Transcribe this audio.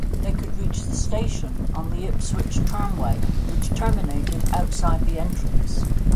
They could reach the station on the Ipswich Tramway which terminated outside the entrance.